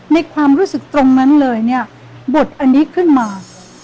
ในความรู้สึกตรงนั้นเลยเนี่ยบทอันนี้ขึ้นมา